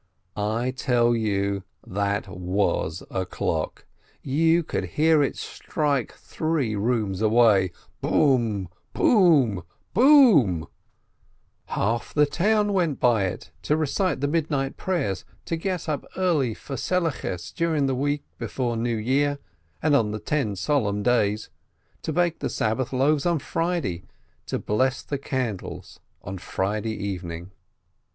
I tell you, that was a clock! You could hear it strike three rooms away: Bom ! bom ! bom ! Half the town went by it, to recite the Midnight Prayers, to get up early for Seliches dur ing the week before New Year and on the ten Solemn Days, to bake the Sabbath loaves on Fridays, to bless the candles on Friday evening.